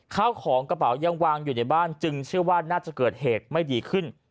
ข้าวของกระเป๋ายังวางอยู่ในบ้านจึงเชื่อว่าน่าจะเกิดเหตุไม่ดีขึ้น